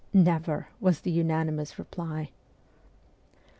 ' Never !' was the unanimous reply.